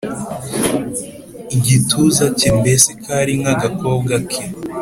igituza cye Mbese kari nk agakobwa ke